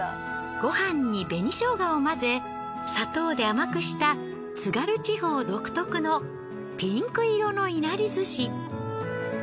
ご飯に紅しょうがを混ぜ砂糖で甘くした津軽地方独特のピンク色のいなり寿司。